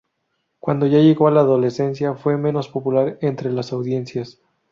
Cuando ya llegó a la adolescencia, fue menos popular entre las audiencias.